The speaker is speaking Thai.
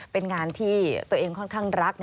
เป็นงานที่ตัวเองค่อนข้างรัก